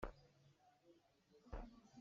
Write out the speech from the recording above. Khoika ah dah lakphakti dawr aa neih bik?